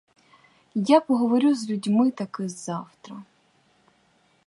Я поговорю з людьми таки завтра.